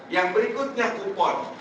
yang berikutnya kupon